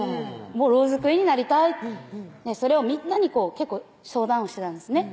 ローズクイーンになりたいそれをみんなに結構相談をしてたんですね